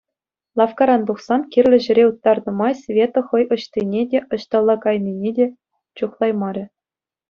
Лавккаран тухсан кирлӗ ҫӗре уттарнӑ май Света хӑй ӑҫтине те, ӑҫталла кайнине те чухлаймарӗ.